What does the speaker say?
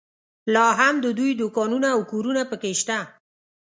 لا هم د دوی دوکانونه او کورونه په کې شته.